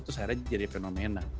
terus akhirnya jadi fenomena